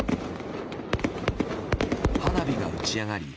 花火が打ち上がり